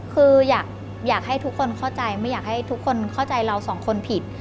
คืออยากให้ทุกคนเข้าใจไม่อยากให้ทุกคนเข้าใจเราสองคนผิด